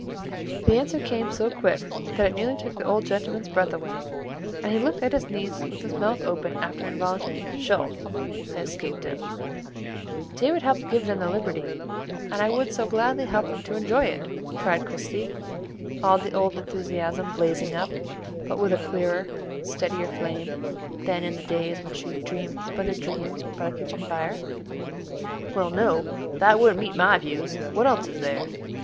The answer came so quick that it nearly took the old gentleman's breath away, and he looked at his niece with his mouth open after an involuntary, "Sho!" had escaped him. "David helped give them their liberty, and I would so gladly help them to enjoy it!" cried Christie, all the old enthusiasm blazing up, but with a clearer, steadier flame than in the days when she dreamed splendid dreams by the kitchen fire. "Well, no, that wouldn't meet my views. What else is there?"